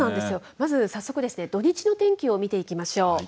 まず早速、土日の天気を見ていきましょう。